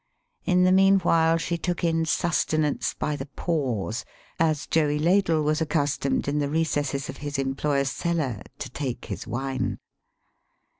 In the meanwhile she took in sustenance by the pores, as Joey Ladle was accustomed, in the recesses of his employer's cellar, to take his wine.